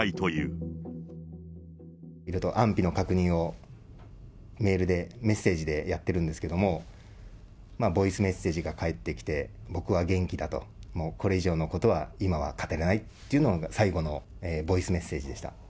いると安否の確認を、メールで、メッセージでやってるんですけれども、ボイスメッセージが返ってきて僕は元気だと、これ以上のことは今は語れないっていうのが、最後のボイスメッセージでした。